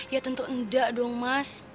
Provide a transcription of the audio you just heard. ya tentu enggak dong mas